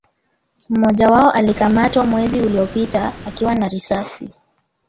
mmoja wao alikamatwa mwezi uliopita akiwa na risasi